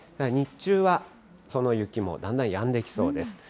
日中は、その雪もだんだんやんできそうです。